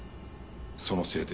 そのせいで。